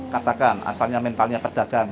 katakan asalnya mentalnya perdagang